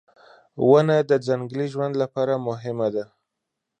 • ونه د ځنګلي ژوند لپاره مهمه ده.